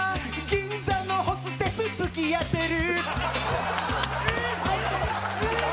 銀座のホステスと付き合ってる。